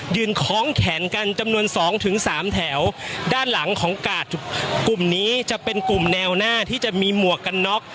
คล้องแขนกันจำนวนสองถึงสามแถวด้านหลังของกาดกลุ่มนี้จะเป็นกลุ่มแนวหน้าที่จะมีหมวกกันน็อก